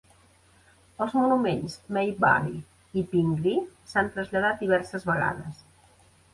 Els monuments Maybury i Pingree s'han traslladat diverses vegades.